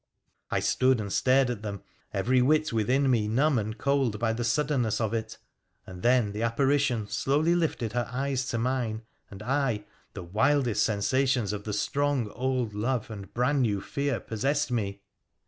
I stood and stared at them, every wit within me numb and cold by the suddenness of it, and then the appari tion slowly lifted her eyes to mine, and I — the wildest sensa tions of the strong old love and brand new fear possessed me.